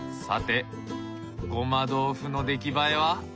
さてごま豆腐の出来栄えは？